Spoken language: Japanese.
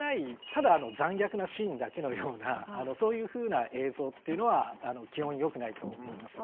ただ残虐なシーンだけのようなそういうふうな映像っていうのは基本よくないと思います。